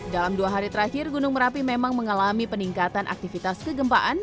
dalam dua hari terakhir gunung merapi memang mengalami peningkatan aktivitas kegempaan